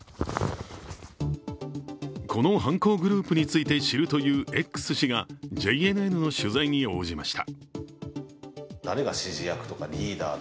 この犯行グループについて知るというＸ氏が、ＪＮＮの取材に応じました。